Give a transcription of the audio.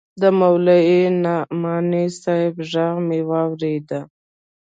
د مولوي نعماني صاحب ږغ مې واورېد.